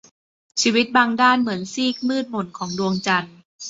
ชีวิตบางด้านเหมือนซีกมืดหม่นของดวงจันทร์